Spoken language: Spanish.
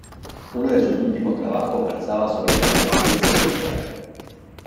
Uno de sus últimos trabajos versaba sobre la 'conciencia corporal'.